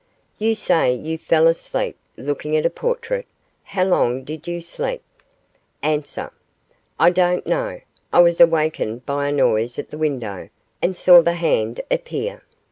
You say you fell asleep looking at a portrait. How long did you sleep? A. I don't know. I was awakened by a noise at the window, and saw the hand appear.